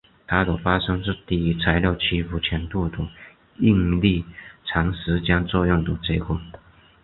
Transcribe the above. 它的发生是低于材料屈服强度的应力长时间作用的结果。